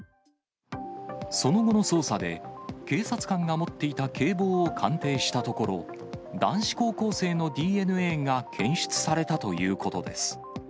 その後の捜査で、警察官が持っていた警棒を鑑定したところ、男子高校生のＤＮＡが検出されたということです。